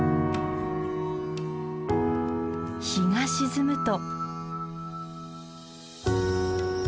日が沈むと。